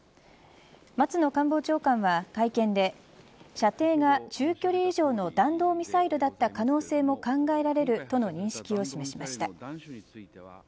松野官房長官は会見で射程が中距離以上の弾道ミサイルだった可能性も考えられるとの認識を示しました。